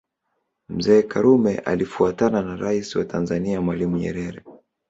Mzee Karume alifuatana na Rais wa Tanzania Mwalimu Nyerere